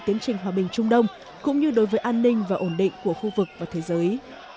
tiến trình hòa bình trung đông cũng như đối với an ninh và ổn định của khu vực và thế giới